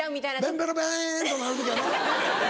ベンベロベンとなる時やろ。